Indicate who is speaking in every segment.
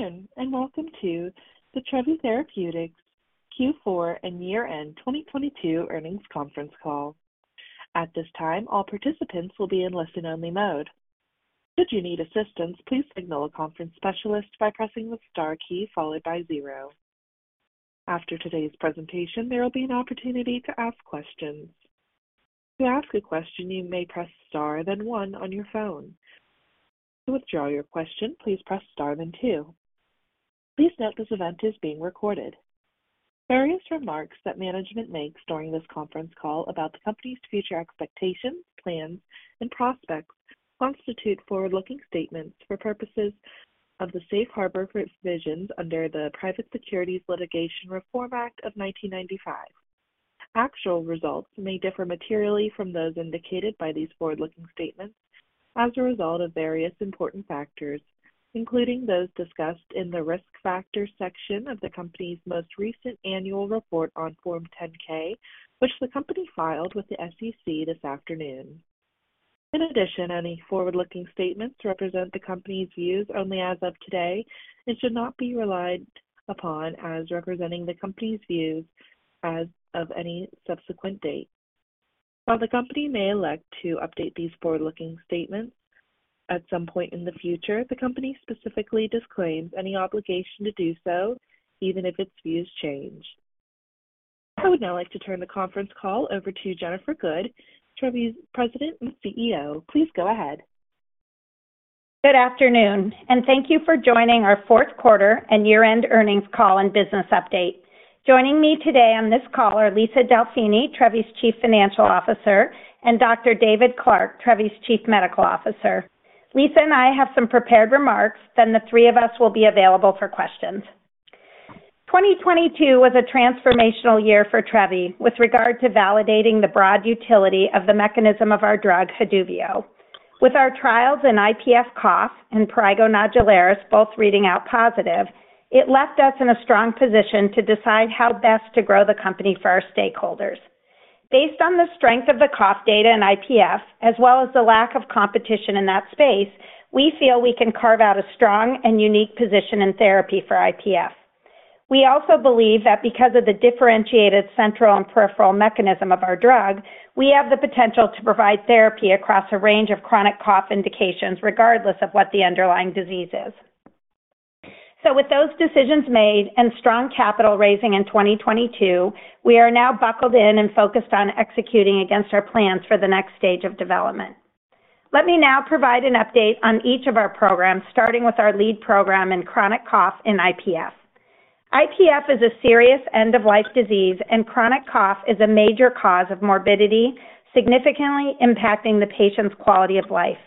Speaker 1: Good afternoon. Welcome to the Trevi Therapeutics Q4 and year-end 2022 earnings conference call. At this time, all participants will be in listen-only mode. Should you need assistance, please signal a conference specialist by pressing the star key followed by 0. After today's presentation, there will be an opportunity to ask questions. To ask a question, you may press star then 1 on your phone. To withdraw your question, please press star then 2. Please note this event is being recorded. Various remarks that management makes during this conference call about the company's future expectations, plans and prospects constitute forward-looking statements for purposes of the safe harbor provisions under the Private Securities Litigation Reform Act of 1995. Actual results may differ materially from those indicated by these forward-looking statements as a result of various important factors, including those discussed in the Risk Factors section of the company's most recent annual report on Form 10-K, which the company filed with the SEC this afternoon. In addition, any forward-looking statements represent the company's views only as of today and should not be relied upon as representing the company's views as of any subsequent date. While the company may elect to update these forward-looking statements at some point in the future, the company specifically disclaims any obligation to do so, even if its views change. I would now like to turn the conference call over to Jennifer Good, Trevi's President and CEO. Please go ahead.
Speaker 2: Good afternoon. Thank you for joining our fourth quarter and year-end earnings call and business update. Joining me today on this call are Lisa Delfini, Trevi's Chief Financial Officer, and Dr. David Clark, Trevi's Chief Medical Officer. Lisa and I have some prepared remarks, then the three of us will be available for questions. 2022 was a transformational year for Trevi with regard to validating the broad utility of the mechanism of our drug, Haduvio. With our trials in IPF cough and prurigo nodularis both reading out positive, it left us in a strong position to decide how best to grow the company for our stakeholders. Based on the strength of the cough data in IPF, as well as the lack of competition in that space, we feel we can carve out a strong and unique position in therapy for IPF. We also believe that because of the differentiated central and peripheral mechanism of our drug, we have the potential to provide therapy across a range of chronic cough indications, regardless of what the underlying disease is. With those decisions made and strong capital raising in 2022, we are now buckled in and focused on executing against our plans for the next stage of development. Let me now provide an update on each of our programs, starting with our lead program in chronic cough in IPF. IPF is a serious end-of-life disease, and chronic cough is a major cause of morbidity, significantly impacting the patient's quality of life.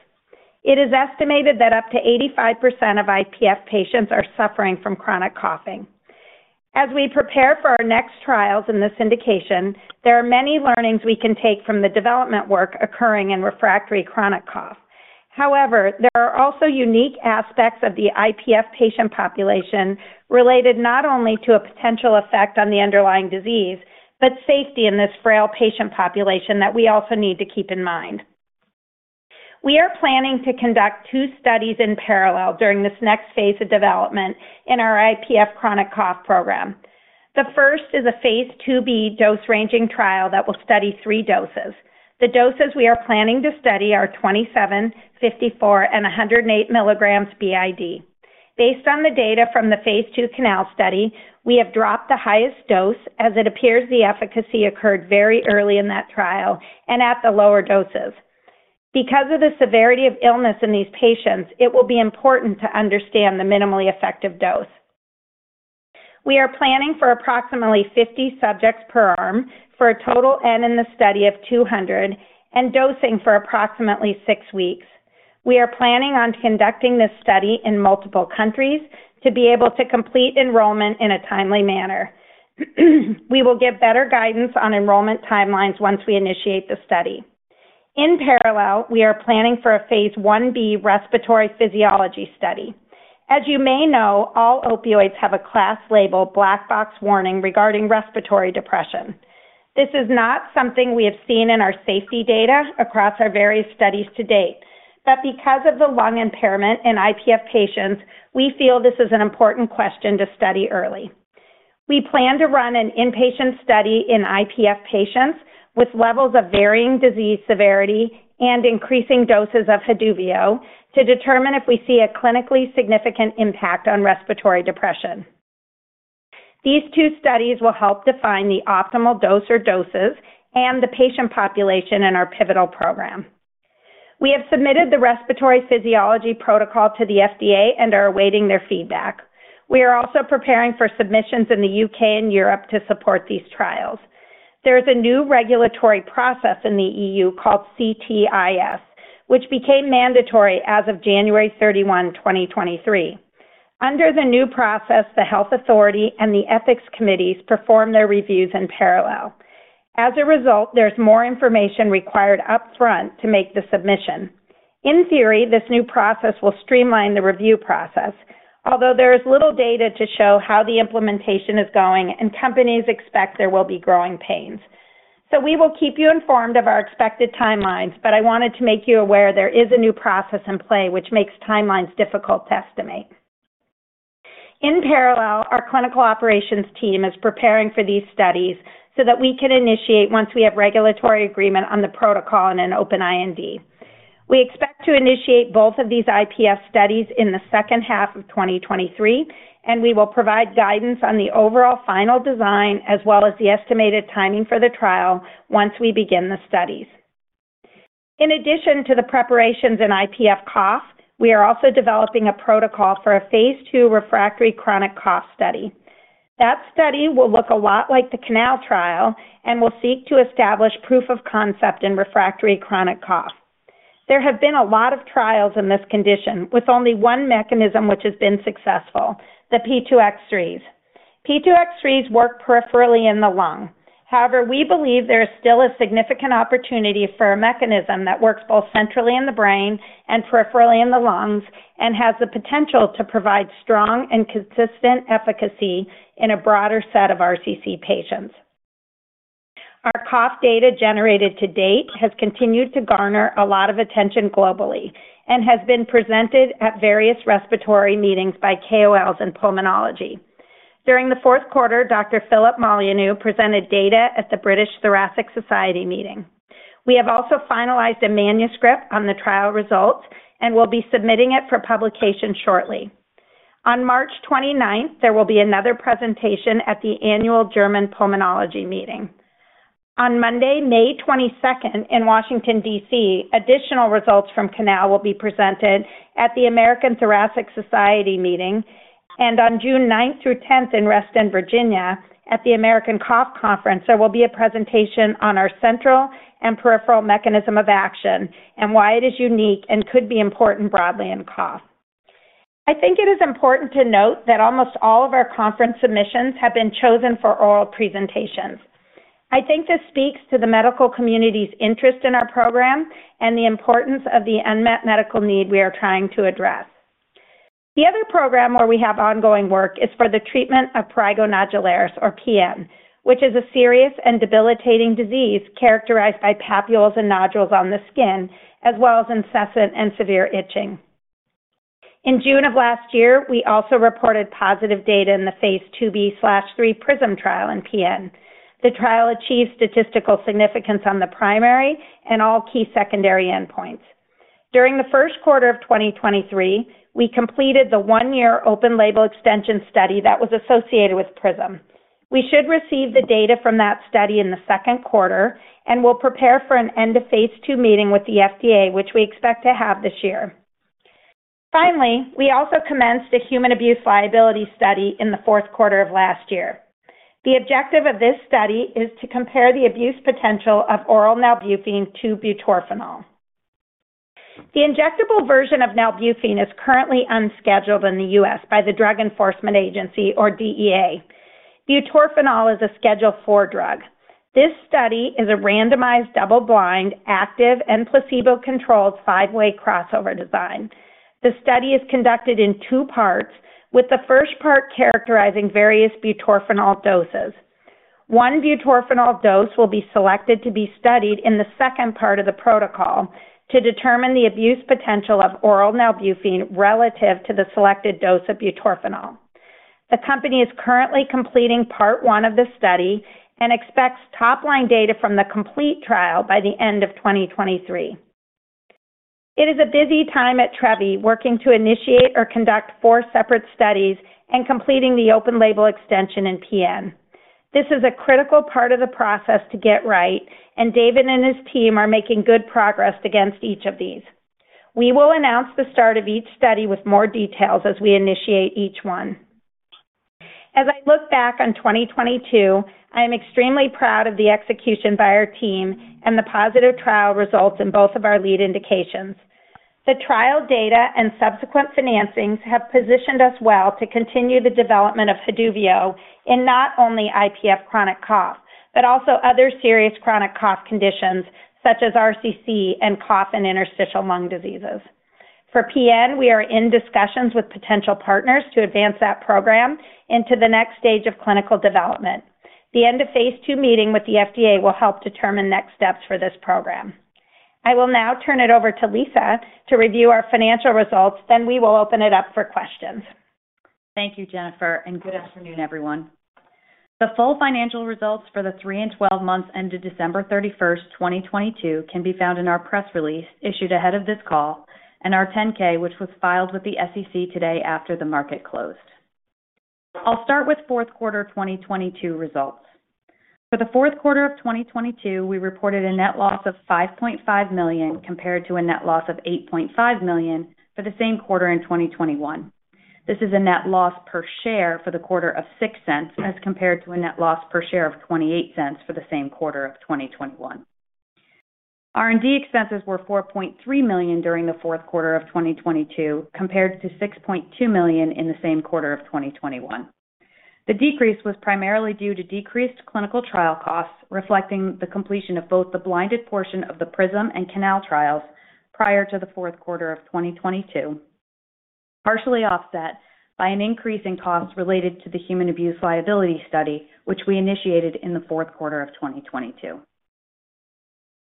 Speaker 2: It is estimated that up to 85% of IPF patients are suffering from chronic coughing. As we prepare for our next trials in this indication, there are many learnings we can take from the development work occurring in refractory chronic cough. There are also unique aspects of the IPF patient population related not only to a potential effect on the underlying disease, but safety in this frail patient population that we also need to keep in mind. We are planning to conduct two studies in parallel during this next phase of development in our IPF chronic cough program. The first is a phase 2b dose-ranging trial that will study three doses. The doses we are planning to study are 27, 54, and 108 milligrams BID. Based on the data from the phase 2 CANAL study, we have dropped the highest dose as it appears the efficacy occurred very early in that trial and at the lower doses. Because of the severity of illness in these patients, it will be important to understand the minimally effective dose. We are planning for approximately 50 subjects per arm for a total N in the study of 200 and dosing for approximately six weeks. We are planning on conducting this study in multiple countries to be able to complete enrollment in a timely manner. We will give better guidance on enrollment timelines once we initiate the study. In parallel, we are planning for a Phase 1B respiratory physiology study. As you may know, all opioids have a class label black box warning regarding respiratory depression. This is not something we have seen in our safety data across our various studies to date. Because of the lung impairment in IPF patients, we feel this is an important question to study early. We plan to run an inpatient study in IPF patients with levels of varying disease severity and increasing doses of Haduvio to determine if we see a clinically significant impact on respiratory depression. These two studies will help define the optimal dose or doses and the patient population in our pivotal program. We have submitted the respiratory physiology protocol to the FDA and are awaiting their feedback. We are also preparing for submissions in the U.K. and Europe to support these trials. There is a new regulatory process in the E.U. called CTIS, which became mandatory as of January 31, 2023. Under the new process, the health authority and the ethics committees perform their reviews in parallel. As a result, there's more information required upfront to make the submission. In theory, this new process will streamline the review process, although there is little data to show how the implementation is going and companies expect there will be growing pains. We will keep you informed of our expected timelines, but I wanted to make you aware there is a new process in play which makes timelines difficult to estimate. In parallel, our clinical operations team is preparing for these studies so that we can initiate once we have regulatory agreement on the protocol and an open IND. We expect to initiate both of these IPF studies in the second half of 2023, and we will provide guidance on the overall final design as well as the estimated timing for the trial once we begin the studies. In addition to the preparations in IPF cough, we are also developing a protocol for a phase 2 refractory chronic cough study. That study will look a lot like the CANAL trial and will seek to establish proof of concept in refractory chronic cough. There have been a lot of trials in this condition with only one mechanism which has been successful, the P2X3s. P2X3s work peripherally in the lung. However, we believe there is still a significant opportunity for a mechanism that works both centrally in the brain and peripherally in the lungs and has the potential to provide strong and consistent efficacy in a broader set of RCC patients. Our cough data generated to date has continued to garner a lot of attention globally and has been presented at various respiratory meetings by KOLs in pulmonology. During the fourth quarter, Dr. Philip Molyneux presented data at the British Thoracic Society meeting. We have also finalized a manuscript on the trial results and will be submitting it for publication shortly. On March 29th, there will be another presentation at the DGP Annual Congress. On Monday, May 22nd in Washington, D.C., additional results from CANAL will be presented at the American Thoracic Society meeting and on June 9th-10th in Reston, Virginia, at the American Cough Conference, there will be a presentation on our central and peripheral mechanism of action and why it is unique and could be important broadly in cough. I think it is important to note that almost all of our conference submissions have been chosen for oral presentations. I think this speaks to the medical community's interest in our program and the importance of the unmet medical need we are trying to address. The other program where we have ongoing work is for the treatment of prurigo nodularis, or PN, which is a serious and debilitating disease characterized by papules and nodules on the skin, as well as incessant and severe itching. In June of last year, we also reported positive data in the phase 2b/3 PRISM trial in PN. The trial achieved statistical significance on the primary and all key secondary endpoints. During the first quarter of 2023, we completed the 1-year open label extension study that was associated with PRISM. We should receive the data from that study in the second quarter and will prepare for an end-of-phase 2 meeting with the FDA, which we expect to have this year. Finally, we also commenced a human abuse liability study in the fourth quarter of last year. The objective of this study is to compare the abuse potential of oral nalbuphine to butorphanol. The injectable version of nalbuphine is currently unscheduled in the U.S. by the Drug Enforcement Agency or DEA. Butorphanol is a Schedule IV drug. This study is a randomized, double-blind, active and placebo-controlled 5-way crossover design. The study is conducted in 2 parts, with the 1st part characterizing various butorphanol doses. 1 butorphanol dose will be selected to be studied in the 2nd part of the protocol to determine the abuse potential of oral nalbuphine relative to the selected dose of butorphanol. The company is currently completing part 1 of the study and expects top-line data from the complete trial by the end of 2023. It is a busy time at Trevi working to initiate or conduct 4 separate studies and completing the open label extension in PN. This is a critical part of the process to get right. David and his team are making good progress against each of these. We will announce the start of each study with more details as we initiate each one. As I look back on 2022, I am extremely proud of the execution by our team and the positive trial results in both of our lead indications. The trial data and subsequent financings have positioned us well to continue the development of Haduvio in not only IPF chronic cough, but also other serious chronic cough conditions such as RCC and cough and interstitial lung diseases. For PN, we are in discussions with potential partners to advance that program into the next stage of clinical development. The end-of-phase two meeting with the FDA will help determine next steps for this program. I will now turn it over to Lisa to review our financial results, then we will open it up for questions.
Speaker 3: Thank you, Jennifer. Good afternoon, everyone. The full financial results for the 3 and 12 months ended December 31st, 2022 can be found in our press release issued ahead of this call and our 10-K which was filed with the SEC today after the market closed. I'll start with fourth quarter 2022 results. For the fourth quarter of 2022, we reported a net loss of $5.5 million compared to a net loss of $8.5 million for the same quarter in 2021. This is a net loss per share for the quarter of $0.06 as compared to a net loss per share of $0.28 for the same quarter of 2021. R&D expenses were $4.3 million during the fourth quarter of 2022 compared to $6.2 million in the same quarter of 2021. The decrease was primarily due to decreased clinical trial costs reflecting the completion of both the blinded portion of the PRISM and CANAL trials prior to the fourth quarter of 2022. Partially offset by an increase in costs related to the human abuse liability study, which we initiated in the fourth quarter of 2022.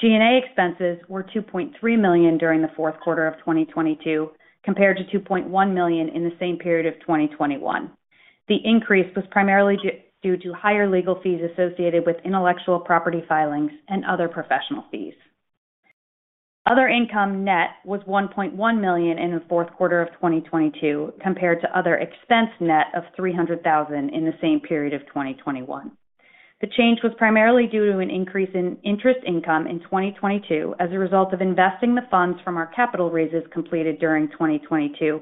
Speaker 3: G&A expenses were $2.3 million during the fourth quarter of 2022 compared to $2.1 million in the same period of 2021. The increase was primarily due to higher legal fees associated with intellectual property filings and other professional fees. Other income net was $1.1 million in the fourth quarter of 2022 compared to other expense net of $300,000 in the same period of 2021. The change was primarily due to an increase in interest income in 2022 as a result of investing the funds from our capital raises completed during 2022,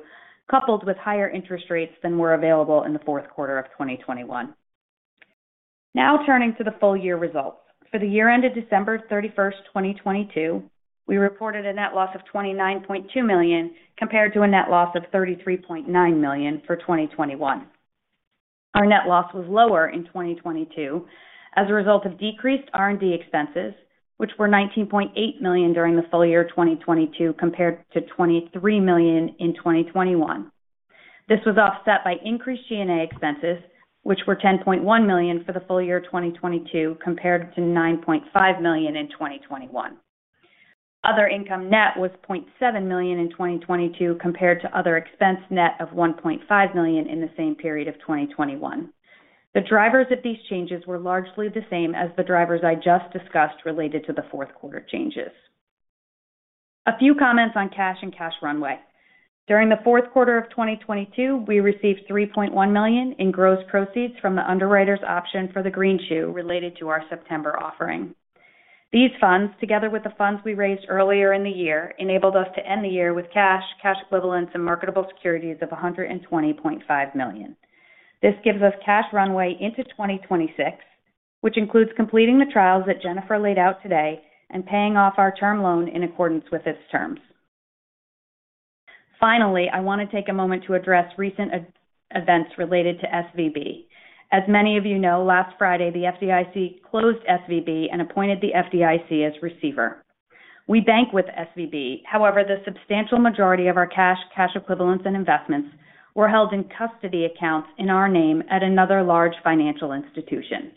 Speaker 3: coupled with higher interest rates than were available in the fourth quarter of 2021. Turning to the full year results. For the year ended December 31st, 2022, we reported a net loss of $29.2 million compared to a net loss of $33.9 million for 2021. Our net loss was lower in 2022 as a result of decreased R&D expenses, which were $19.8 million during the full year 2022 compared to $23 million in 2021. This was offset by increased G&A expenses, which were $10.1 million for the full year 2022 compared to $9.5 million in 2021. Other income net was $0.7 million in 2022 compared to other expense net of $1.5 million in the same period of 2021. The drivers of these changes were largely the same as the drivers I just discussed related to the fourth quarter changes. A few comments on cash and cash runway. During the fourth quarter of 2022, we received $3.1 million in gross proceeds from the underwriter's option for the greenshoe related to our September offering. These funds, together with the funds we raised earlier in the year, enabled us to end the year with cash equivalents, and marketable securities of $120.5 million. This gives us cash runway into 2026, which includes completing the trials that Jennifer laid out today and paying off our term loan in accordance with its terms. Finally, I want to take a moment to address recent events related to SVB. As many of you know, last Friday, the FDIC closed SVB and appointed the FDIC as receiver. We bank with SVB. However, the substantial majority of our cash equivalents and investments were held in custody accounts in our name at another large financial institution.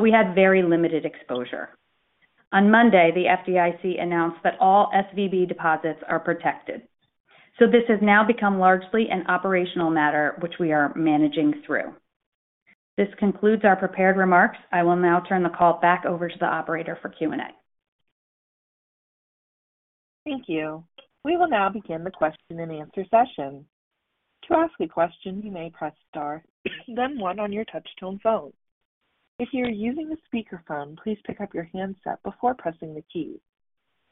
Speaker 3: We had very limited exposure. On Monday, the FDIC announced that all SVB deposits are protected. This has now become largely an operational matter which we are managing through. This concludes our prepared remarks. I will now turn the call back over to the operator for Q&A.
Speaker 1: Thank you. We will now begin the question-and-answer session. To ask a question, you may press star then 1 on your touch tone phone. If you are using a speakerphone, please pick up your handset before pressing the key.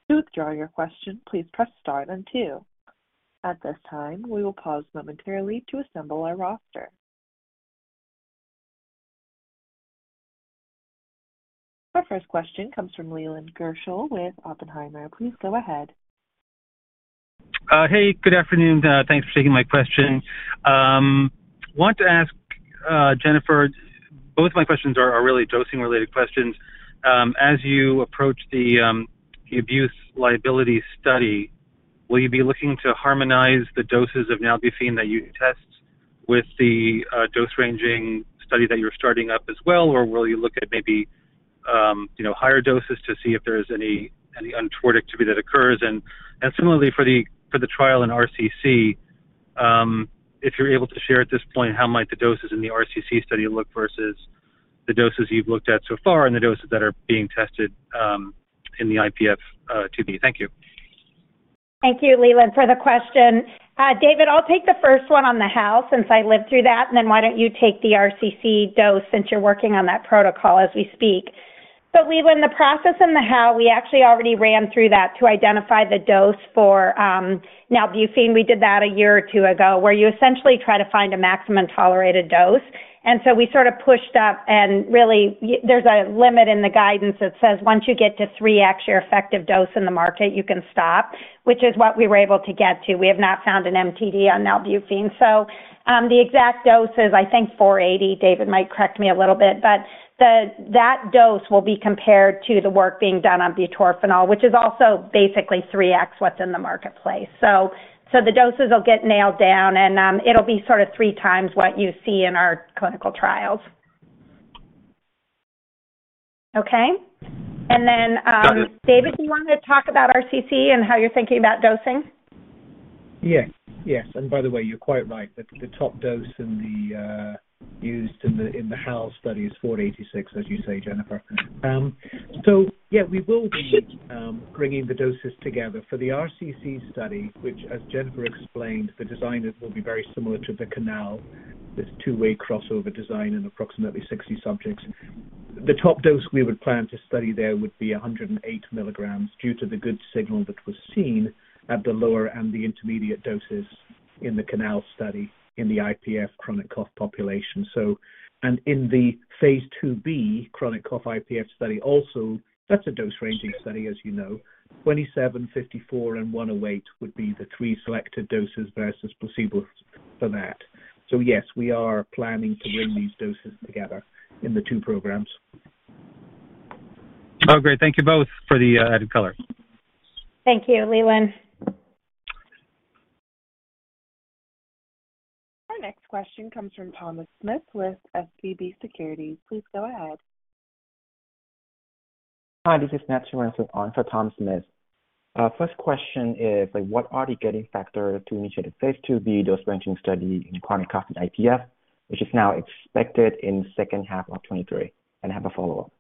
Speaker 1: To withdraw your question, please press star then 2. At this time, we will pause momentarily to assemble our roster. Our first question comes from Leland Gershell with Oppenheimer. Please go ahead.
Speaker 4: Hey, good afternoon. Thanks for taking my question. Want to ask Jennifer. Both my questions are really dosing-related questions. As you approach the abuse liability study, will you be looking to harmonize the doses of nalbuphine that you test with the dose ranging study that you're starting up as well? Or will you look at maybe, you know, higher doses to see if there's any untoward activity that occurs? Similarly for the trial in RCC, if you're able to share at this point how might the doses in the RCC study look versus the doses you've looked at so far and the doses that are being tested in the IPF, 2b? Thank you.
Speaker 3: Thank you, Leland, for the question. David, I'll take the first one on the HAL since I lived through that, and then why don't you take the RCC dose since you're working on that protocol as we speak. Leland, the process in the HAL, we actually already ran through that to identify the dose for nalbuphine. We did that a year or 2 ago, where you essentially try to find a maximum tolerated dose. We sort of pushed up, and really there's a limit in the guidance that says once you get to 3x your effective dose in the market, you can stop, which is what we were able to get to. We have not found an MTD on nalbuphine. The exact dose is, I think, 480. David might correct me a little bit, but the, that dose will be compared to the work being done on butorphanol, which is also basically 3x what's in the marketplace. The doses will get nailed down and, it'll be sort of three times what you see in our clinical trials. Okay.
Speaker 4: Got it.
Speaker 3: David, do you want to talk about RCC and how you're thinking about dosing?
Speaker 5: Yes. Yes. By the way, you're quite right. The top dose in the used in the HAL study is 486, as you say, Jennifer. Yeah, we will be bringing the doses together. For the RCC study, which as Jennifer explained, the design is, will be very similar to the CANAL. There's 2-way crossover design in approximately 60 subjects. The top dose we would plan to study there would be 108 mg due to the good signal that was seen at the lower and the intermediate doses in the CANAL study in the IPF chronic cough population. In the phase 2B chronic cough IPF study also, that's a dose ranging study, as you know. 27, 54, and 108 would be the three selected doses versus placebo for that. Yes, we are planning to bring these doses together in the two programs.
Speaker 1: Oh, great. Thank you both for the added color.
Speaker 2: Thank you, Leland.
Speaker 1: Our next question comes from Thomas Smith with SVB Securities. Please go ahead.
Speaker 6: Hi, this is Matthew Ren with answer Thomas Smith. First question is, like, what are the gating factor to initiate a phase 2B dose-ranging study in chronic cough and IPF, which is now expected in second half of 2023? Have a follow-up.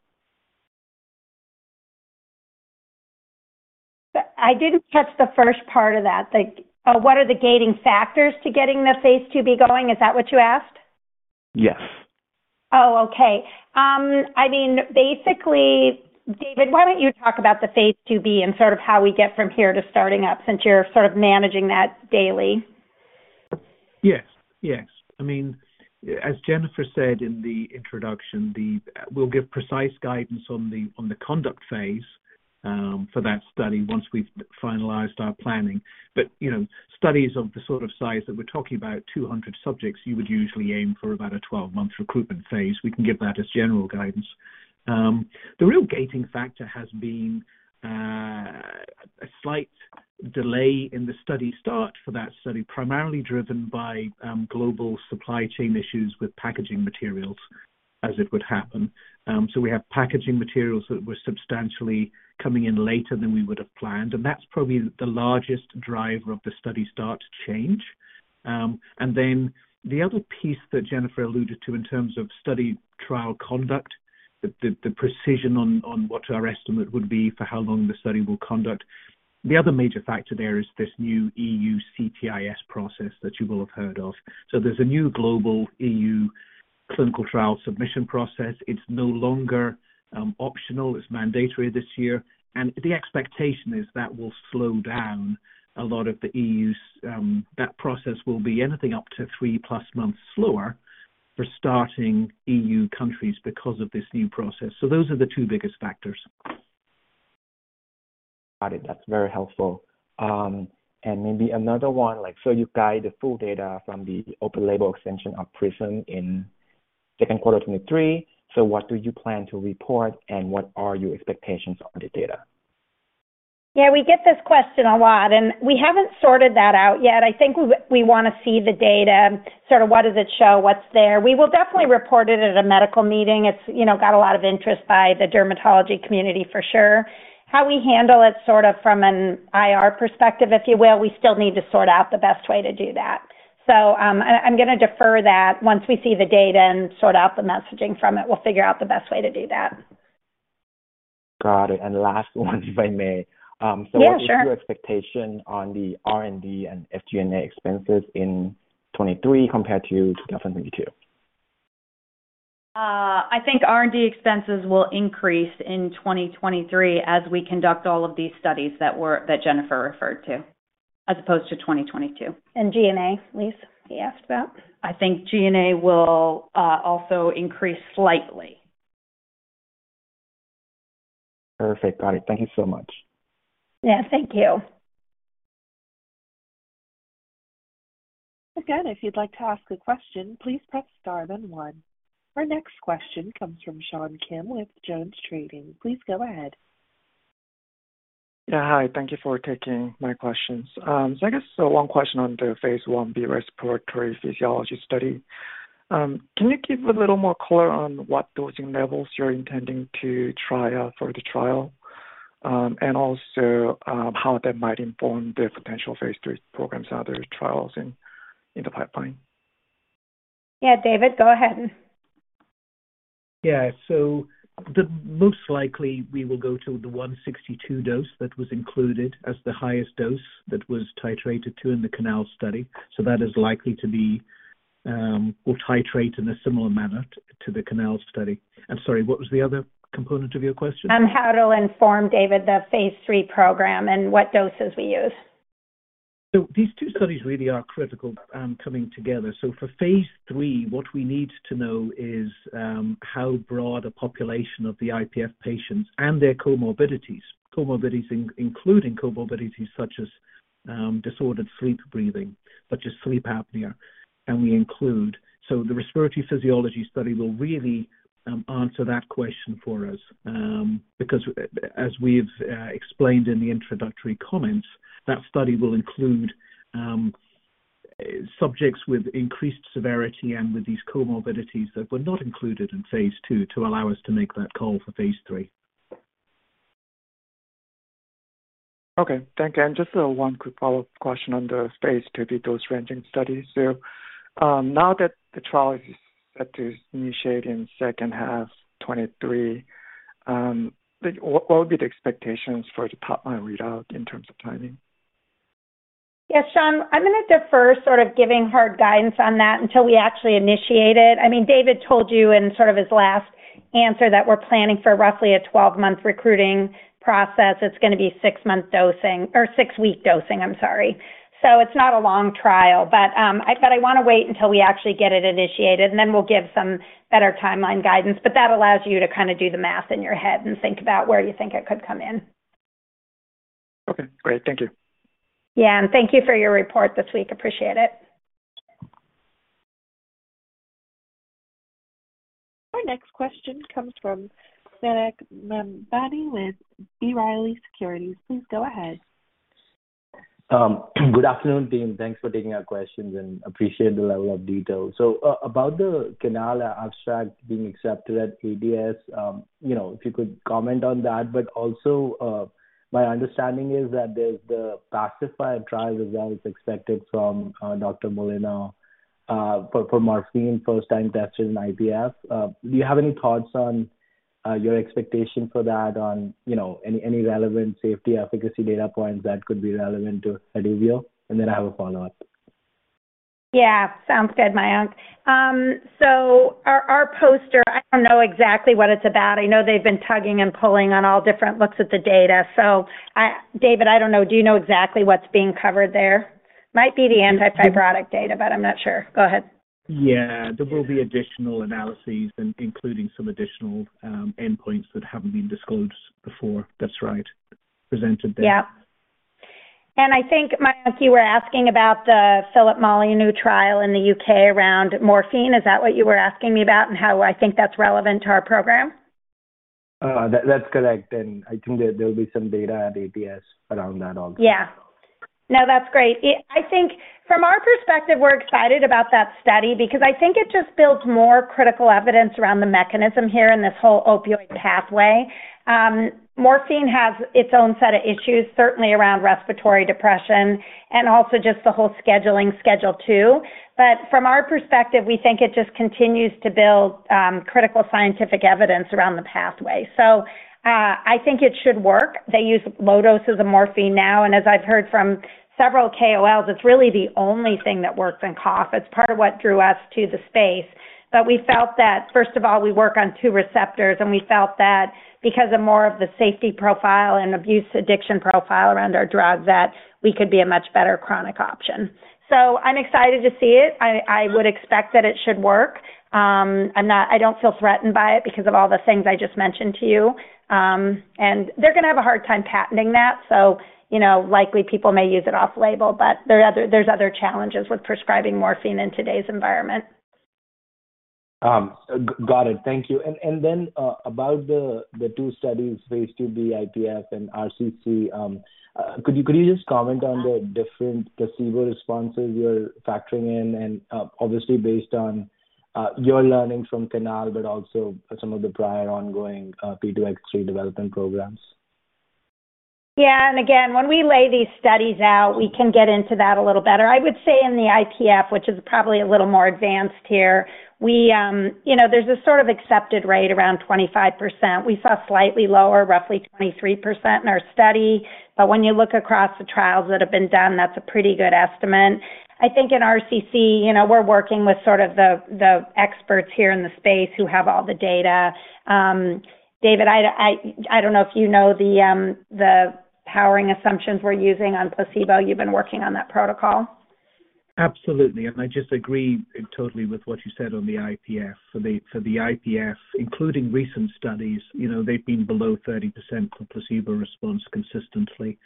Speaker 2: I didn't catch the first part of that. Like, what are the gating factors to getting the phase 2b going? Is that what you asked?
Speaker 6: Yes.
Speaker 2: Okay. I mean, basically David, why don't you talk about the phase 2B and sort of how we get from here to starting up since you're sort of managing that daily?
Speaker 5: Yes. Yes. I mean, as Jennifer said in the introduction, we'll give precise guidance on the conduct phase for that study once we've finalized our planning. You know, studies of the sort of size that we're talking about, 200 subjects, you would usually aim for about a 12-month recruitment phase. We can give that as general guidance. The real gating factor has been a slight delay in the study start for that study, primarily driven by global supply chain issues with packaging materials as it would happen. We have packaging materials that were substantially coming in later than we would have planned, and that's probably the largest driver of the study start change. The other piece that Jennifer alluded to in terms of study trial conduct, the precision on what our estimate would be for how long the study will conduct. The other major factor there is this new EU CTIS process that you will have heard of. There's a new global EU clinical trial submission process. It's no longer optional, it's mandatory this year. The expectation is that will slow down a lot of the EU's. That process will be anything up to 3-plus months slower for starting EU countries because of this new process. Those are the two biggest factors.
Speaker 6: Got it. That's very helpful. Maybe another one, like, you guide the full data from the open-label extension of PRISM in second quarter 2023. What do you plan to report, and what are your expectations on the data?
Speaker 2: Yeah, we get this question a lot. We haven't sorted that out yet. I think we want to see the data, sort of what does it show, what's there. We will definitely report it at a medical meeting. It's, you know, got a lot of interest by the dermatology community for sure. How we handle it sort of from an IR perspective, if you will, we still need to sort out the best way to do that. I'm going to defer that once we see the data and sort out the messaging from it. We'll figure out the best way to do that.
Speaker 6: Got it. Last one, if I may.
Speaker 2: Yeah, sure.
Speaker 6: What is your expectation on the R&D and SG&A expenses in 2023 compared to 2022?
Speaker 2: I think R&D expenses will increase in 2023 as we conduct all of these studies that Jennifer referred to, as opposed to 2022.
Speaker 1: G&A, please. He asked that.
Speaker 2: I think G&A will also increase slightly.
Speaker 6: Perfect. Got it. Thank you so much.
Speaker 2: Yeah, thank you.
Speaker 1: Again, if you'd like to ask a question, please press Star then One. Our next question comes from Sean Kim with Jones Trading. Please go ahead.
Speaker 7: Yeah. Hi. Thank you for taking my questions. I guess one question on the phase 1b respiratory physiology study. Can you give a little more color on what dosing levels you're intending to try out for the trial? Also, how that might inform the potential phase 3 programs, other trials in the pipeline?
Speaker 2: Yeah. David, go ahead.
Speaker 5: The most likely we will go to the 162 dose that was included as the highest dose that was titrated to in the CANAL study. That is likely to be, or titrate in a similar manner to the CANAL study. I'm sorry, what was the other component of your question?
Speaker 2: On how to inform, David, the phase 3 program and what doses we use.
Speaker 5: These two studies really are critical, coming together. For phase three, what we need to know is, how broad a population of the IPF patients and their comorbidities. Comorbidities including comorbidities such as, disordered sleep breathing, such as sleep apnea, and we include. The respiratory physiology study will really, answer that question for us, because as we've explained in the introductory comments, that study will include, subjects with increased severity and with these comorbidities that were not included in phase two to allow us to make that call for phase three.
Speaker 7: Okay. Thank you. Just one quick follow-up question on the phase 2B dose ranging study. Now that the trial is set to initiate in second half 2023, what would be the expectations for the top-line readout in terms of timing?
Speaker 2: Yes, Sean, I'm going to defer sort of giving hard guidance on that until we actually initiate it. I mean, David told you in sort of his last answer that we're planning for roughly a 12-month recruiting process. It's going to be 6-month dosing or 6-week dosing. I'm sorry. It's not a long trial. I thought I want to wait until we actually get it initiated, and then we'll give some better timeline guidance. That allows you to kinda do the math in your head and think about where you think it could come in.
Speaker 7: Okay, great. Thank you.
Speaker 2: Yeah. Thank you for your report this week. Appreciate it.
Speaker 1: Our next question comes from Mayank Mamtani with B. Riley Securities. Please go ahead.
Speaker 8: Good afternoon, team. Thanks for taking our questions and appreciate the level of detail. About the CANAL abstract being accepted at ATS, you know, if you could comment on that. Also, my understanding is that there's the PACIFY COUGH trial results expected from Dr. Molyneaux, for morphine first time tested in IPF. Do you have any thoughts on your expectation for that on, you know, any relevant safety efficacy data points that could be relevant to Haduvio? I have a follow-up.
Speaker 2: Yeah. Sounds good, Mayank. Our poster, I don't know exactly what it's about. I know they've been tugging and pulling on all different looks at the data. David, I don't know. Do you know exactly what's being covered there? Might be the antifibrotic data, but I'm not sure. Go ahead.
Speaker 5: Yeah. There will be additional analyses including some additional endpoints that haven't been disclosed before. That's right. Presented there.
Speaker 2: Yeah. I think, Mayank, you were asking about the Philip Molyneaux trial in the UK around morphine. Is that what you were asking me about and how I think that's relevant to our program?
Speaker 8: That's correct. I think there'll be some data at APS around that also.
Speaker 2: No, that's great. I think from our perspective, we're excited about that study because I think it just builds more critical evidence around the mechanism here and this whole opioid pathway. Morphine has its own set of issues, certainly around respiratory depression and also just the whole scheduling Schedule II. From our perspective, we think it just continues to build critical scientific evidence around the pathway. I think it should work. They use low doses of morphine now, and as I've heard from several KOLs, it's really the only thing that works in cough. It's part of what drew us to the space. We felt that first of all, we work on two receptors, and we felt that because of more of the safety profile and abuse addiction profile around our drug, that we could be a much better chronic option. I'm excited to see it. I would expect that it should work. I don't feel threatened by it because of all the things I just mentioned to you. They're going to have a hard time patenting that, so, you know, likely people may use it off-label, but there's other challenges with prescribing morphine in today's environment.
Speaker 8: Got it. Thank you. Then, about the 2 studies, phase 2b IPF and RCC, could you just comment on the different placebo responses you're factoring in and obviously based on your learning from CANAL, but also some of the prior ongoing P2X3 development programs?
Speaker 2: Yeah. When we lay these studies out, we can get into that a little better. I would say in the IPF, which is probably a little more advanced here, we, you know, there's a sort of accepted rate around 25%. We saw slightly lower, roughly 23% in our study. When you look across the trials that have been done, that's a pretty good estimate. I think in RCC, you know, we're working with sort of the experts here in the space who have all the data. David, I don't know if you know the powering assumptions we're using on placebo. You've been working on that protocol.
Speaker 5: Absolutely. I just agree totally with what you said on the IPF. For the IPF, including recent studies, you know, they've been below 30% for placebo response consistently.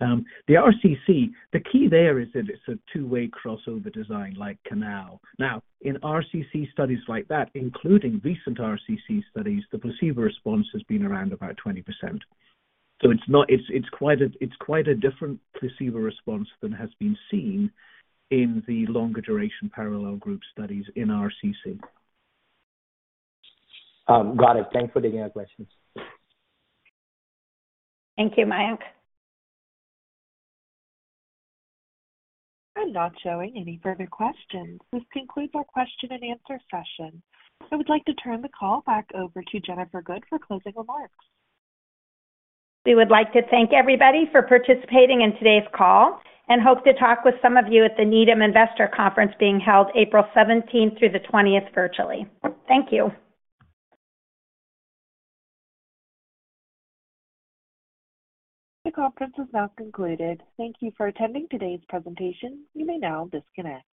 Speaker 5: The RCC, the key there is that it's a two-way crossover design like CANAL. In RCC studies like that, including recent RCC studies, the placebo response has been around about 20%. It's quite a different placebo response than has been seen in the longer duration parallel group studies in RCC.
Speaker 8: Got it. Thanks for taking our questions.
Speaker 2: Thank you, Mayank.
Speaker 1: I'm not showing any further questions. This concludes our question and answer session. I would like to turn the call back over to Jennifer Good for closing remarks.
Speaker 2: We would like to thank everybody for participating in today's call and hope to talk with some of you at the Needham Healthcare Conference being held April 17th through the 20th virtually. Thank you.
Speaker 1: The conference is now concluded. Thank you for attending today's presentation. You may now disconnect.